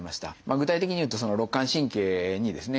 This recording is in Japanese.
具体的にいうと肋間神経にですね